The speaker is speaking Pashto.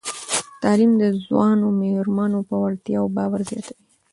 تعلیم د ځوانو میرمنو په وړتیاوو باور زیاتوي.